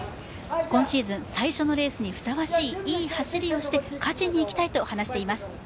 今シーズン最初のレースにふさわしいいい走りをして勝ちにいきたいと話しています。